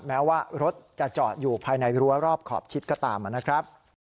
แม้ว่ารถจะจอดอยู่ภายในรั้วรอบขอบชิดก็ตามนะครับ